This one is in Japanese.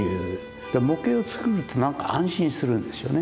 模型を作ると何か安心するんですよね。